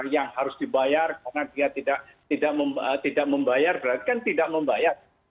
yang harus dibayar karena dia tidak membayar berarti kan tidak membayar